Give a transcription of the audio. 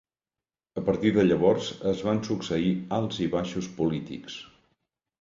A partir de llavors es van succeir alts i baixos polítics.